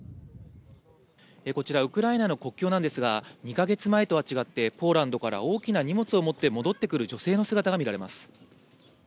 こちら、ウクライナの国境なんですが、２か月前とは違って、ポーランドから大きな荷物を持って戻ってくる女性の姿が見られます。